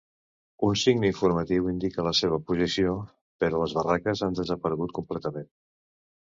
Un signe informatiu indica la seva posició, però les barraques han desaparegut completament.